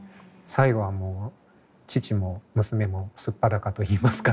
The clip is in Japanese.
最後はもう父も娘も素っ裸といいますかね